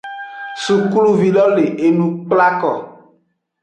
Sukluvi lo le enu kplako.